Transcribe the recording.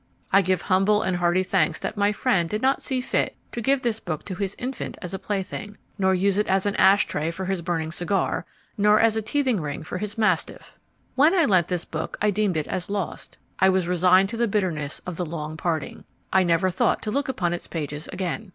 I GIVE humble and hearty thanks that my friend did not see fit to give this book to his infant as a plaything, nor use it as an ash tray for his burning cigar, nor as a teething ring for his mastiff. WHEN I lent this book I deemed it as lost: I was resigned to the bitterness of the long parting: I never thought to look upon its pages again.